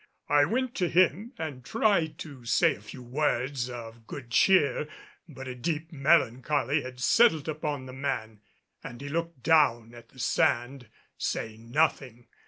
I went to him and tried to say a few words of good cheer. But a deep melancholy had settled upon the man, and he looked down at the sand, saying nothing.